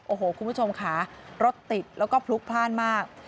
โอ้โหคุณผู้ชมค่ะรถติดแล้วก็พลุกพลาดมาก